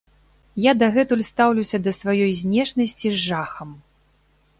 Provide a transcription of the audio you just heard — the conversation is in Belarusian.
Я дагэтуль стаўлюся да сваёй знешнасці з жахам.